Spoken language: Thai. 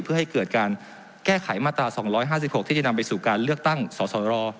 เพื่อให้เกิดการแก้ไขมาตรา๒๕๖ที่จะนำไปสู่การเลือกตั้งสสร